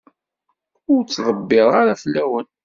Ur ttḍebbiṛeɣ ara fell-awen.